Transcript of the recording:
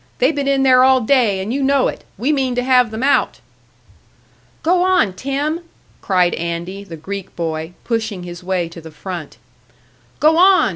"They been in there all day, and you know it. We mean to have them out." "Go on, Tim!" cried Andy, the Greek boy, pushing his way to the front. "Go on!"